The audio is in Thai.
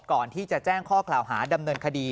ก่อนที่จะแจ้งข้อกล่าวหาดำเนินคดี